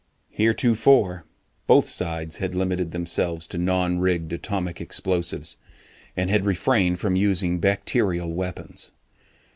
Heretofore both sides had limited themselves to non rigged atomic explosives, and had refrained from using bacterial weapons.